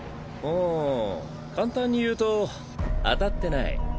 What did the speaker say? うん簡単に言うと当たってない。